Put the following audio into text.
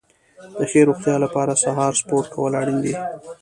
د ښې روغتیا لپاره سهار سپورت کول اړین دي.